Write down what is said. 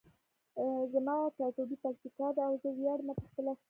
زما ټاټوبی پکتیکا ده او زه ویاړمه په خپله ښکلي پکتیکا.